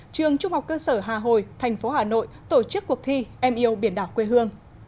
trường trung học cơ sở hà hồi thành phố hà nội tổ chức cuộc thi em yêu biển đảo quê hương